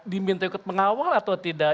diminta ikut mengawal atau tidak